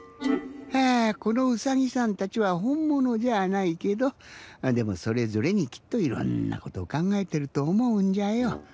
このうさぎさんたちはほんものじゃないけどでもそれぞれにきっといろんなことをかんがえてるとおもうんじゃよ。